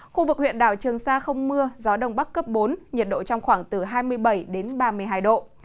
khu vực huyện đảo trường sa không mưa gió đông bắc cấp bốn nhiệt độ trong khoảng từ hai mươi bảy đến ba mươi hai độ